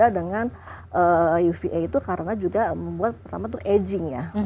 berbeda dengan uva itu karena juga membuat aging ya